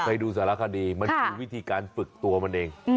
ดูสารคดีมันคือวิธีการฝึกตัวมันเอง